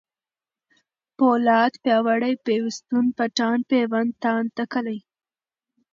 پولاد ، پیاوړی ، پيوستون ، پټان ، پېوند ، تاند ، تکل